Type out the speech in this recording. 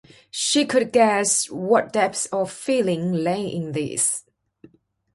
She could guess what depth of feeling lay in this.